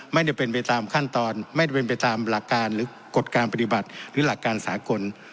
ไม่ได้เป็นไปตามขั้นตอนไม่ได้เป็นไปตามหลักการหรือกฎการปฏิบัติหรือหลักการสากล